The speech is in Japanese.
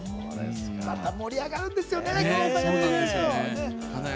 また盛り上がるんですよね。